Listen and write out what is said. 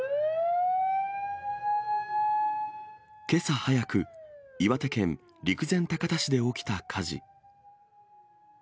けさ早く、岩手県陸前高田市で起きた火事。